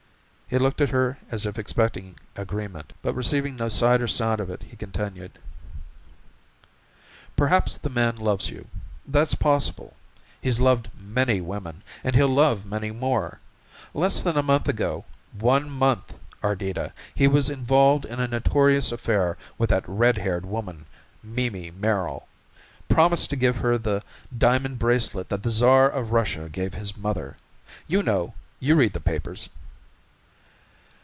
He looked at her as if expecting agreement, but receiving no sight or sound of it he continued. "Perhaps the man loves you that's possible. He's loved many women and he'll love many more. Less than a month ago, one month, Ardita, he was involved in a notorious affair with that red haired woman, Mimi Merril; promised to give her the diamond bracelet that the Czar of Russia gave his mother. You know you read the papers."